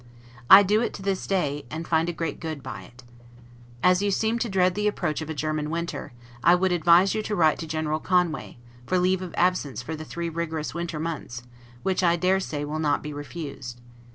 I do it to this day, and find great good by it. As you seem to dread the approach of a German winter, I would advise you to write to General Conway, for leave of absence for the three rigorous winter months, which I dare say will not be refused.